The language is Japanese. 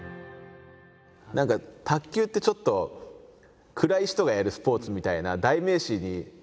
何か卓球ってちょっと暗い人がやるスポーツみたいな代名詞でもあるじゃないですか。